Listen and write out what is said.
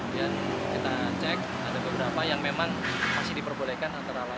dan kita cek ada beberapa yang memang masih diperbolehkan antara lain